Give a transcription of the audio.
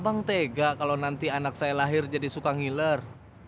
nanti anak saya lahir jadi suka ngiler